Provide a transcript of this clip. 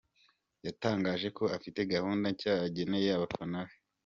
Yatangaje ko afite gahunda nshya ageneye abafana be.